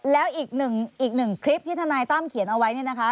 แล้วอีกหนึ่งคลิปที่ทนายตั้มเขียนเอาไว้เนี่ยนะคะ